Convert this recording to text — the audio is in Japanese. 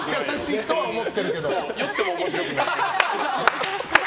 酔っても面白くない。